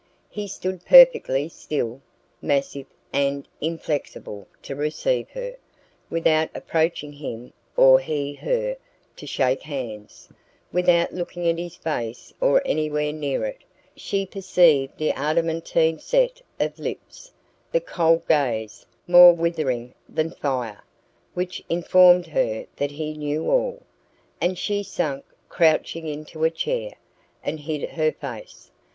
He stood perfectly still, massive and inflexible, to receive her. Without approaching him or he her to shake hands, without looking at his face or anywhere near it, she perceived the adamantine set of lips, the cold gaze, more withering than fire, which informed her that he knew all; and she sank crouching into a chair, and hid her face.